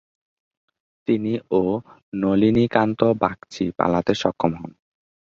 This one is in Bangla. তিনি ও নলিনীকান্ত বাগচি পালাতে সক্ষম হন।